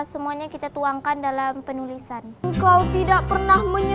semuanya kita tuangkan dalam penulisan